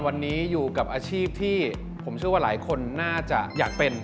วันนี้อยู่กับอาชีพที่ผมเชื่อว่าหลายคนน่าจะอยากเป็น